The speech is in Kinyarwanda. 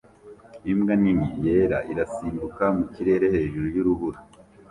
Imbwa nini yera irasimbuka mu kirere hejuru yurubura